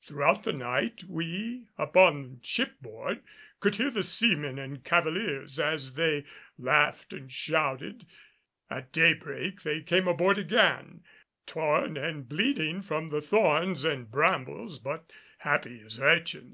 Throughout the night we upon ship board could hear the seamen and cavaliers as they laughed and shouted. At daybreak they came aboard again, torn and bleeding from the thorns and brambles, but happy as urchins.